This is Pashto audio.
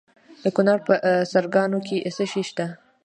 د کونړ په سرکاڼو کې څه شی شته؟